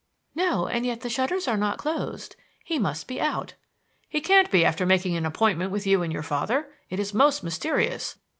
"No; and yet the shutters are not closed. He must be out." "He can't be after making an appointment with you and your father. It is most mysterious.